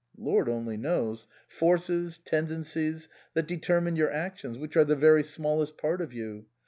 " Lord only knows. Forces, tendencies, that determine your actions, which are the very smallest part of you.